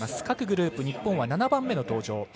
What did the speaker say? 各グループ、日本は７番目の登場。